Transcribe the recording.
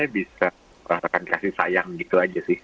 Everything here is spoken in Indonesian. bisa merasakan kasih sayang gitu aja sih